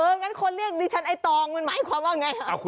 งั้นคนเรียกดิฉันไอ้ตองมันหมายความว่าไง